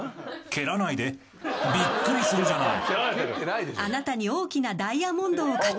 「けらないでびっくりするじゃない！」